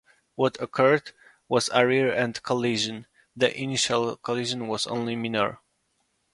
What occurred was a rear-end collision, the initial collision was only minor.